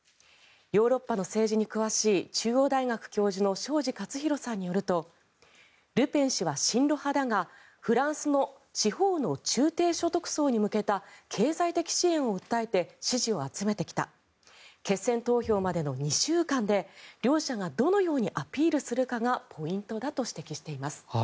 ヨーロッパの政治に詳しい中央大学教授の庄司克宏さんによるとルペン氏は親ロ派だがフランスの地方の中低所得層に向けた経済的支援を訴えて支持を集めてきた決選投票までの２週間で両者がどのようにアピールするかがポイントだと指摘しています。